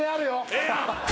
ええやん。